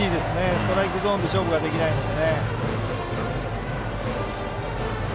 ストライクゾーンで勝負ができないので。